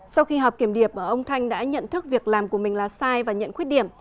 sau khi họp kiểm điểm ông thanh đã nhận thức việc làm của mình là sai và nhận khuyết điểm